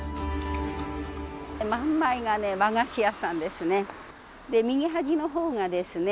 真ん前がね、和菓子屋さんですね。